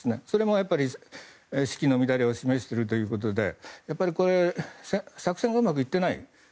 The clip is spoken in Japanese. それもやっぱり指揮の乱れを示しているということで作戦がうまくいっていない。